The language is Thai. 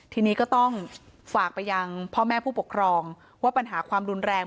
ทีนี้ก็ต้องฝากไปยังพ่อแม่ผู้ปกครองว่าปัญหาความรุนแรง